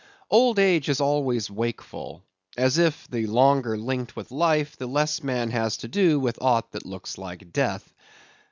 Old age is always wakeful; as if, the longer linked with life, the less man has to do with aught that looks like death.